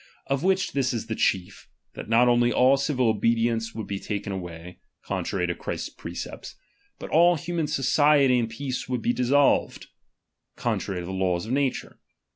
Of which this is the chief ; that not only aU civil obedience would be taken away (contrary to Christ's precept) ; but all human society and peace would be dissolved (contrary to the laws of nature).